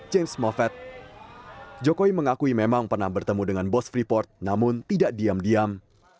jokowi mengakui memang pernah bertemu dengan bos freeport namun tidak diam diam